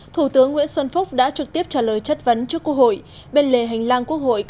thủ tướng nguyễn xuân phúc đã trực tiếp trả lời chất vấn trước quốc hội